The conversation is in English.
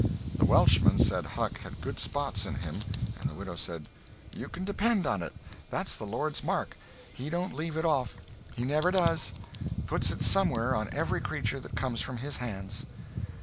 The Welshman said Huck had good spots in him, and the widow said: "You can depend on it. That's the Lord's mark. He don't leave it off. He never does. Puts it somewhere on every creature that comes from his hands."